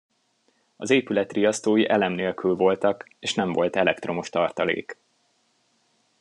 Az épület riasztói elem nélkül voltak, és nem volt elektromos tartalék.